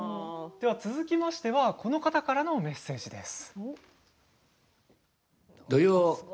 続きましてはこの方からのメッセージです。